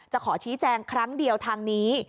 ขอชี้แจงครั้งเดียวทางนี้